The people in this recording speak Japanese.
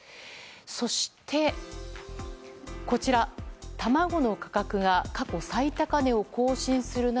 そして、卵の価格が過去最高値を更新する中